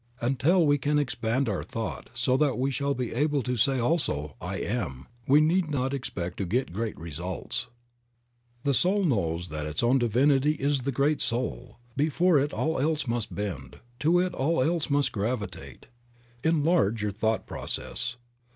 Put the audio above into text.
Until we can expand our thought so that we shall be able to say also, "I am'/ we need not expect to get great results. The soul that knows its own Divinity is the great soul ; before it all else must bend; to it all else must gravitate 1 . Enlarge your thought processes.